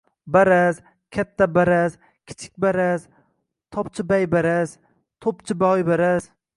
Baraz, Kattabaraz, Kichikbaraz, Topchibaybaraz To‘pchiboybaraz –